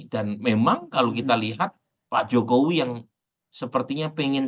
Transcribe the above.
memang kalau kita lihat pak jokowi yang sepertinya pengen